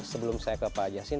sebelum saya ke pak jasin